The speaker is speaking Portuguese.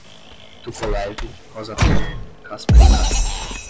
Tupolev, Rosatom, Kaspersky